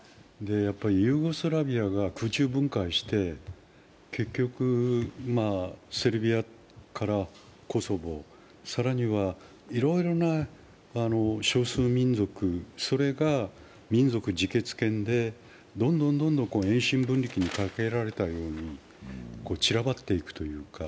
ユーゴスラビアが空中分解して結局、セルビアからコソボ、更にはいろいろな少数民族、それが民族自決権でどんどん遠心分離器にかけられたように散らばっていくというか。